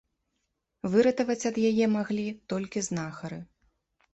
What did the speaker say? Выратаваць ад яе маглі толькі знахары.